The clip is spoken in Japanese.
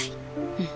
うん。